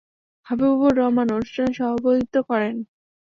হাবিবুর রহমান অনুষ্ঠানে সভাপতিত্ব করেন।